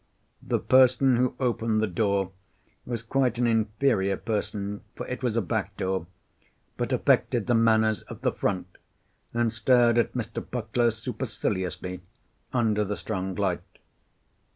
The person who opened the door was quite an inferior person, for it was a back door, but affected the manners of the front, and stared at Mr. Puckler superciliously under the strong light.